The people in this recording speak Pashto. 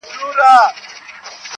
• ځان به آصل ورته ښکاري تر خپلوانو,